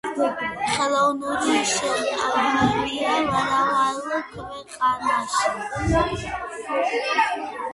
ხელოვნურად შეყვანილია მრავალ ქვეყანაში.